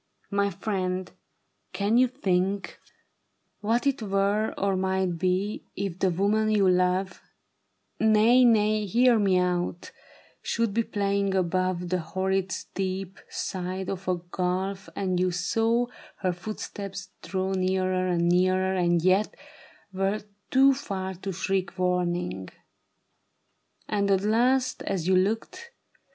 My friend, can you think A TRAGEDY OF SEDAN. 73 What it were, or might be, if the woman you love — Nay, nay, hear me out — should be playing above The horrid steep side of a gulf, and you saw Her footsteps draw nearer and nearer, and yet Were too far to shriek warning ; and at last as you looked.